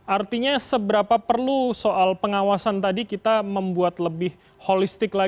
artinya seberapa perlu soal pengawasan tadi kita membuat lebih holistik